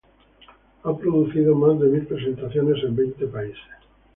Ha producido más de mil presentaciones en veinte países.